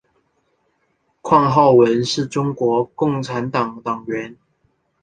况浩文是中国共产党党员。